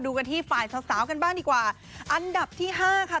กันที่ฝ่ายสาวสาวกันบ้างดีกว่าอันดับที่ห้าค่ะ